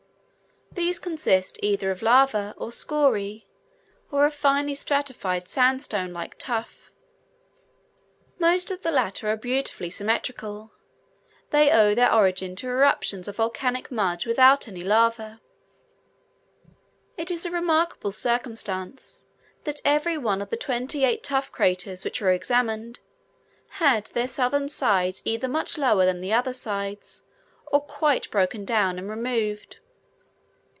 These consist either of lava or scoriae, or of finely stratified, sandstone like tuff. Most of the latter are beautifully symmetrical; they owe their origin to eruptions of volcanic mud without any lava: it is a remarkable circumstance that every one of the twenty eight tuff craters which were examined, had their southern sides either much lower than the other sides, or quite broken down and removed.